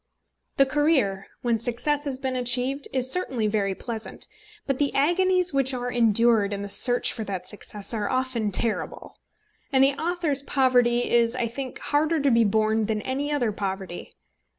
The career, when success has been achieved, is certainly very pleasant; but the agonies which are endured in the search for that success are often terrible. And the author's poverty is, I think, harder to be borne than any other poverty.